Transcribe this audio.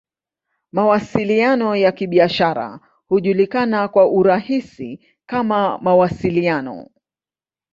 Mawasiliano ya Kibiashara hujulikana kwa urahisi kama "Mawasiliano.